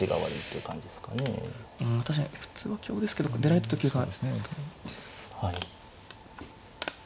うん確かに普通は香ですけど出られた時が。